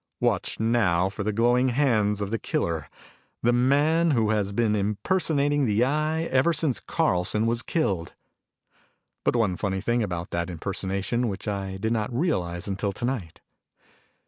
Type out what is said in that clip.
Watch now for the glowing hands of the killer the man who has been impersonating the Eye ever since Carlson was killed. But one funny thing about that impersonation which I did not realize until tonight.